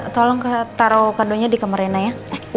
tolong taruh kado nya di kamar rena ya